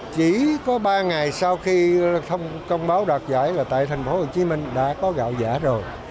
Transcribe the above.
chỉ có ba ngày sau khi công báo đạt giải là tại tp hcm đã có gạo giả rồi